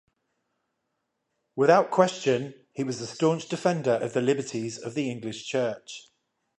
Without question he was a staunch defender of the liberties of the English church.